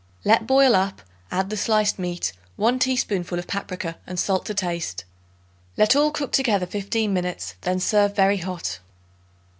Let boil up, add the sliced meat, 1 teaspoonful of paprica and salt to taste; let all cook together fifteen minutes then serve very hot.